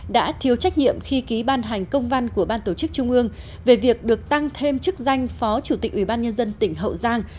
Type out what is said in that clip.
đã thiếu trách nhiệm khi ký ban hành công văn của ban tổ chức trung ương về việc được tăng thêm chức danh phó chủ tịch ủy ban nhân dân tỉnh hậu giang